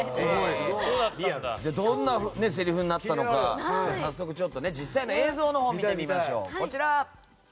どんなせりふになったのか実際の映像のほうを見てみましょう。